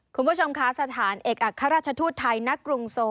คุณผู้ชมคะสถานเอกอัครราชทูตไทยณกรุงโซ